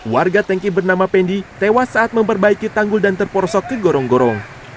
warga tengki bernama pendi tewas saat memperbaiki tanggul dan terporsok ke gorong gorong